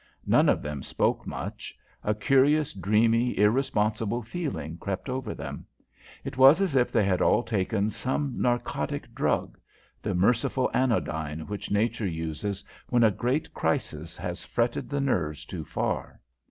None of them spoke much. A curious, dreamy, irresponsible feeling crept over them. It was as if they had all taken some narcotic drug the merciful anodyne which Nature uses when a great crisis has fretted the nerves too far.